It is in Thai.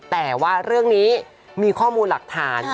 แต่ว่าเรื่องนี้มีข้อมูลหลักฐาน